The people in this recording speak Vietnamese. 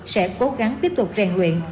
sẽ cố gắng tiếp tục rèn luyện